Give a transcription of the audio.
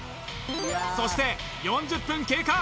そして４０分経過！